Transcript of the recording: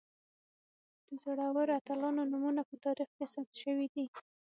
د زړورو اتلانو نومونه په تاریخ کې ثبت شوي دي.